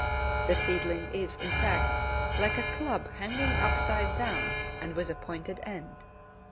The seedling is, in fact, like a club hanging upside down and with a pointed end.